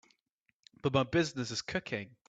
But my business is cooking.